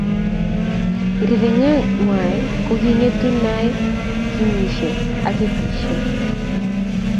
Rirengwang ko kingetu nae kinyishe ak kinysihe.